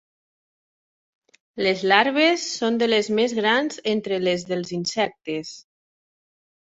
Les larves són de les més grans entre les dels insectes.